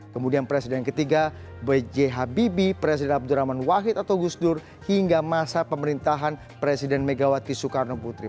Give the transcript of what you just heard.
kemudian presiden ketiga b j habibie presiden abdurrahman wahid atau gusdur hingga masa pemerintahan presiden megawati soekarno putri